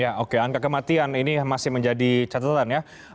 ya oke angka kematian ini masih menjadi catatan ya